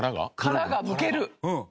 殻がむける。